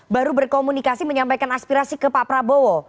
baru berkomunikasi menyampaikan aspirasi ke pak prabowo